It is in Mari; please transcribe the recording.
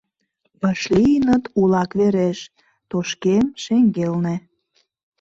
Вашлийыныт улак вереш, тошкем шеҥгелне.